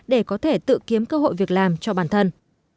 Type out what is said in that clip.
để có thể tự kiếm cơ hội việc làm cho bản thân